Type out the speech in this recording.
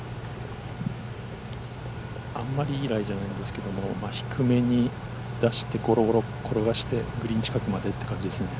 あんまりいいライじゃないんですけど低めに出してゴロゴロ転がしてグリーン近くまでって感じですね。